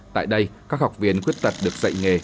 tại đây các học viên khuyết tật được dạy nghề